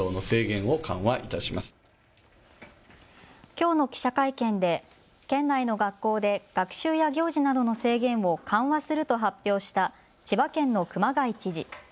きょうの記者会見で県内の学校で学習や行事などの制限を緩和すると発表した千葉県の熊谷知事。